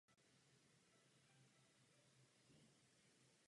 Proto je třeba použít vhodný kompromis.